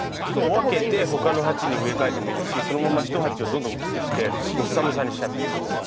分けて他の鉢に植え替えてもいいですしそのままひと鉢をどんどんおっきくしてモッサモサにしちゃってもいいですし。